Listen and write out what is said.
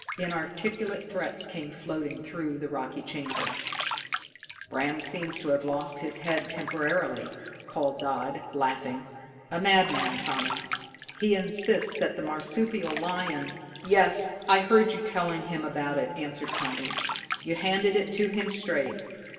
Inarticulate threats came floating through the rocky chamber. "Bram seems to have lost his head temporarily," called Dodd, laughing. "A madman, Tommy. He insists that the marsupial lion " "Yes, I heard you telling him about it," answered Tommy. "You handed it to him straight.